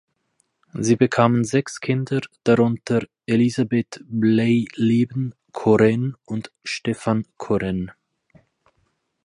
Sie bekamen sechs Kinder, darunter Elisabeth Bleyleben-Koren und Stephan Koren.